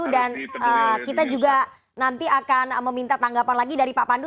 dan kita juga nanti akan meminta tanggapan lagi dari pak pandu